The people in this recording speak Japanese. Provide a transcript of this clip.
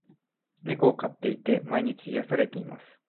猫を飼っていて、毎日癒されています。